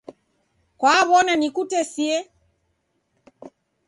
Kwaw'ona nikutesie?